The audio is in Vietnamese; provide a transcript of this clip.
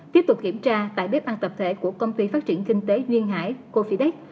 tiếp tục kiểm tra tại bếp ăn tập thể của công ty phát triển kinh tế nguyên hải cofidex